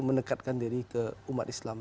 mendekatkan diri ke umat islam